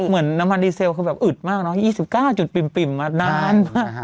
เหมือนน้ำมันดีเซลคือแบบอึดมากเนอะ๒๙จุดปิ่มมานานมาก